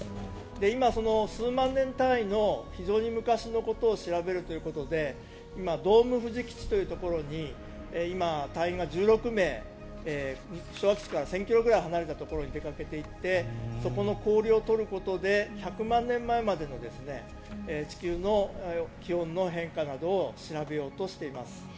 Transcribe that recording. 今、数万年単位の非常に昔のことを調べるということで今、ドームふじ基地というところに隊員が１６名昭和基地から１０００ｋｍぐらい離れたところに出かけて行ってそこの氷を取ることで１００万年前までの地球の気温の変化を調べようとしています。